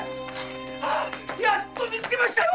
やっとみつけましたよ。